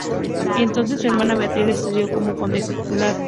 Entonces, su hermana Beatriz, la sucedió como condesa titular.